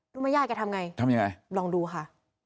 ดูมายายแกทำยังไงลองดูค่ะ